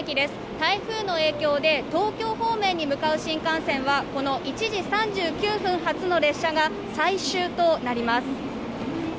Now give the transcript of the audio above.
台風の影響で東京方面に向かう新幹線は、この１時３９分発の列車が最終となります。